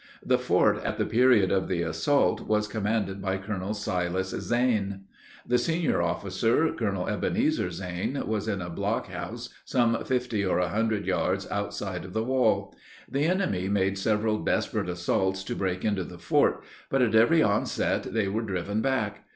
The fort, at the period of the assault was commanded by Colonel Silas Zane. The senior officer, Colonel Ebenezer Zane, was in a blockhouse some fifty or a hundred yards outside of the wall. The enemy made several desperate assaults to break into the fort, but at every onset they were driven back.